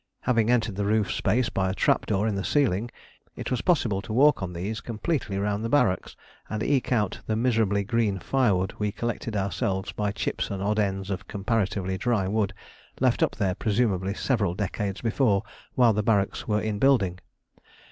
Having entered the roof space by a trap door in the ceiling, it was possible to walk on these completely round the barracks, and eke out the miserably green firewood we collected ourselves by chips and odd ends of comparatively dry wood, left up there presumably several decades before, while the barracks were in building.